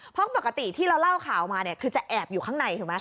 เพราะปกติที่เราเล่าข่าวมาเนี่ยคือจะแอบอยู่ข้างในถูกไหม